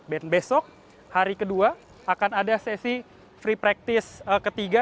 besok hari kedua akan ada sesi free practice ketiga